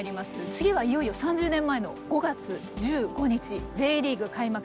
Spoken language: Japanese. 次はいよいよ３０年前の５月１５日Ｊリーグ開幕戦。